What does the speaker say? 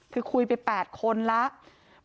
คือคุยไป๘คนแล้ว